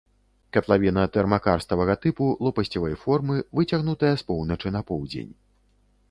Катлавіна тэрмакарставага тыпу, лопасцевай формы, выцягнутая з поўначы на поўдзень.